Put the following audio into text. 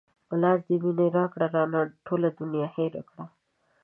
لاس د مينې راکړه رانه ټوله دنيا هېره کړه